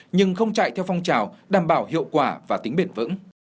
nhưng không chạy theo phong trào đảm bảo hiệu quả và tính bền vững